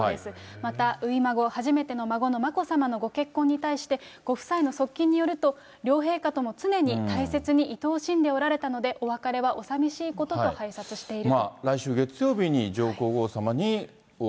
また初孫、初めての孫の眞子さまのご結婚に対して、ご夫妻の側近によると、両陛下とも常に大切にいとおしんでおられたので、お別れはおさみしいことと拝察していると。